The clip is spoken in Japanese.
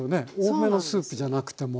多めのスープじゃなくても。